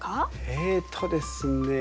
えっとですね